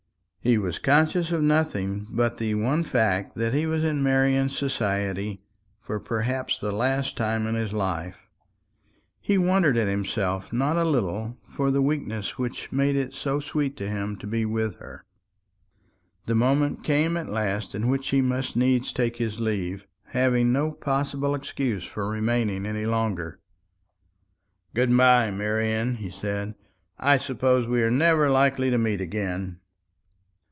He was conscious of nothing but the one fact that he was in Marian's society for perhaps the last time in his life. He wondered at himself not a little for the weakness which made it so sweet to him to be with her. The moment came at last in which he must needs take his leave, having no possible excuse for remaining any longer. "Good bye, Marian," he said. "I suppose we are never likely to meet again."